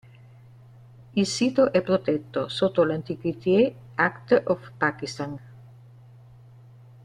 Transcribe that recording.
Il sito è protetto sotto l"'Antiquities Act of" Pakistan.